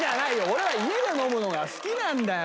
俺は家で飲むのが好きなんだよ。